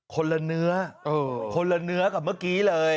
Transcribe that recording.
คนละเนื้อกับเมื่อกี้เลย